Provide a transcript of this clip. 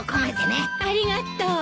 ありがとう！